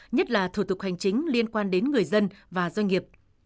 nhất là thủ tục hành chính liên quan đến người dân và doanh nghiệp